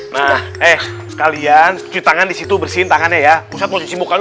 nah eh kalian cuci tangan disitu bersihin tangannya ya usah posisi muka lu